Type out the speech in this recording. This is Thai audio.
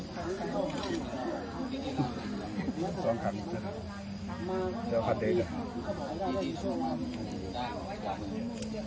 ขวัญว่าขวัญว่าเลี้ยงแน่เป็นเราที่กลับมากยังไง